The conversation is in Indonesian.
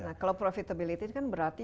nah kalau profitability kan berarti